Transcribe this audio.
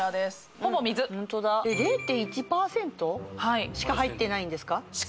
ホントだ０．１％しか入ってないんですか？